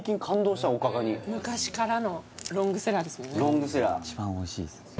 昔からのロングセラーですもんね